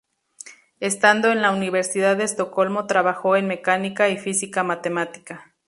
Estando en la Universidad de Estocolmo trabajó en mecánica y física matemática.